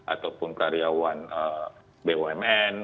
ataupun karyawan bumn